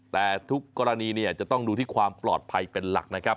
แต่ทุกกรณีจะต้องดูที่ความปลอดภัยเป็นหลักนะครับ